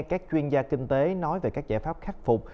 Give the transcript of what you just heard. các chuyên gia kinh tế nói về các giải pháp khắc phục